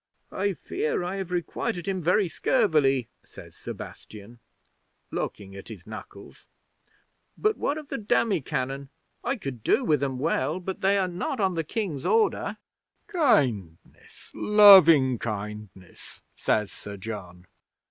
'"I fear I have requited him very scurvily," says Sebastian, looking at his knuckles. "But what of the demi cannon? I could do with 'em well, but they are not in the King's Order." '"Kindness loving kindness," says Sir John.